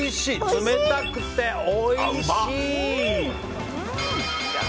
冷たくておいしいー！